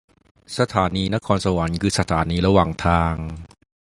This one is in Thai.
สถานีนครสวรรค์คือสถานีระหว่างทาง